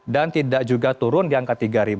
dan tidak juga turun di angka tiga